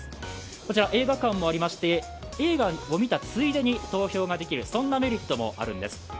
こちら映画館もありまして、映画を見たついでに投票ができる、そんなメリットもあるんです。